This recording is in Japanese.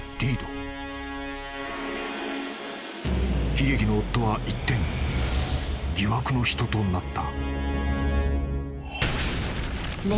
［悲劇の夫は一転疑惑の人となった］